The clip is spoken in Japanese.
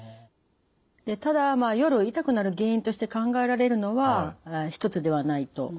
でただ夜痛くなる原因として考えられるのは一つではないと思います。